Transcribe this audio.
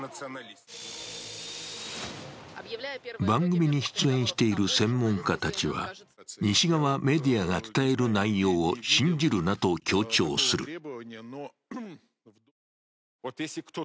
番組に出演している専門家たちは、西側メディアが伝える内容を信じるなと強調する。